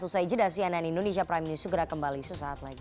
usai jeda cnn indonesia prime news segera kembali sesaat lagi